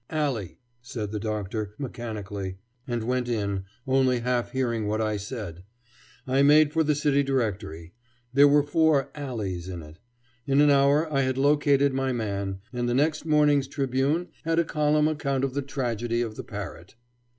"Alley," said the Doctor, mechanically, and went in, only half hearing what I said. I made for the city directory. There were four Alleys in it. In an hour I had located my man, and the next morning's Tribune had a column account of the tragedy of the parrot.